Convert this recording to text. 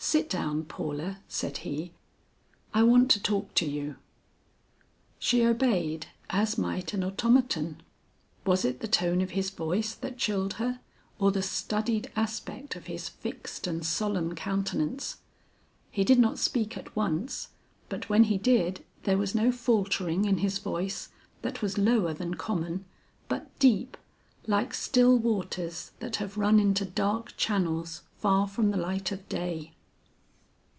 "Sit down, Paula," said he, "I want to talk to you." She obeyed as might an automaton. Was it the tone of his voice that chilled her, or the studied aspect of his fixed and solemn countenance? He did not speak at once, but when he did, there was no faltering in his voice, that was lower than common, but deep, like still waters that have run into dark channels far from the light of day.